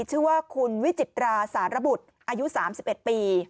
ชื่อว่าคุณวิจิตราสารบุตรอายุ๓๑ปี